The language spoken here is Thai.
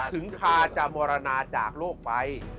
ถึงคาจะมรณาจากโลกไป